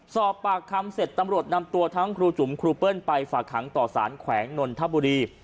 สอบปากคำเสร็จตำรวจนำตัวทั้งครูจุ๋มครูเปิ้ลไปฝากหางต่อสารแขวงนนทบุรี